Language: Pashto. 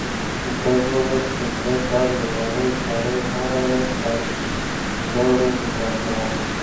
ده وويل چې زه دا لېونی سړی هره ورځ په لاړو لندوم.